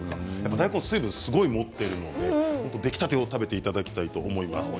大根は水分を持っているので出来たてを食べていただきたいと思います。